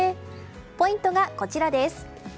ポイントがこちらです。